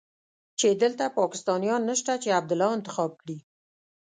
چې دلته پاکستانيان نشته چې عبدالله انتخاب کړي.